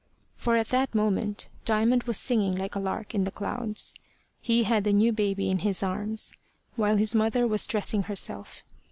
For at that moment Diamond was singing like a lark in the clouds. He had the new baby in his arms, while his mother was dressing herself.